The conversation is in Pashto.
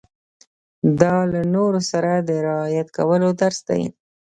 دا له نورو سره د رعايت کولو درس دی.